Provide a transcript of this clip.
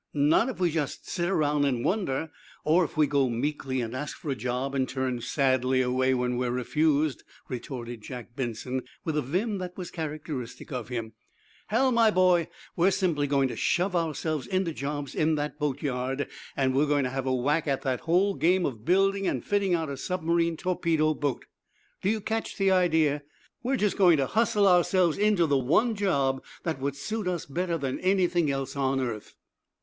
"Not if we just sit around and wonder, or if we go meekly and ask for a job, and turn sadly away when we're refused," retorted Jack Benson, with a vim that was characteristic of him. "Hal, my boy, we're simply going to shove ourselves into jobs in that boatyard, and we're going to have a whack at the whole game of building and fitting out a submarine torpedo boat. Do you catch the idea? We're just going to hustle ourselves into the one job that would suit us better than anything else on earth!"